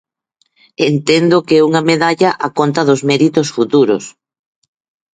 Entendo que é unha medalla a conta dos méritos futuros.